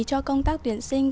cho công tác tuyển sinh